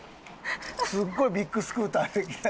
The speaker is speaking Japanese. すごいビッグスクーターで来た。